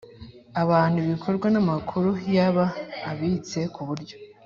Abantu ibikorwa n amakuru yaba abitse ku buryo